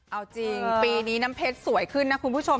เอาจริงปีนี้น้ำเพชรสวยขึ้นนะคุณผู้ชม